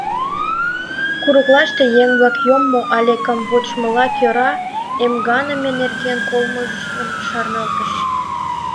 Курыклаште еҥ-влак йоммо але камвочмылан кӧра эмганыме нерген колмыжым шарналтыш.